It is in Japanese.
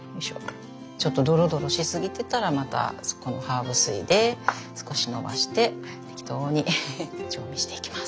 ちょっとドロドロしすぎてたらまたこのハーブ水で少しのばして適当に調味していきます。